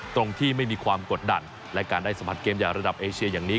ตรงที่ไม่มีความกดดันและการได้สัมผัสเกมใหญ่ระดับเอเชียอย่างนี้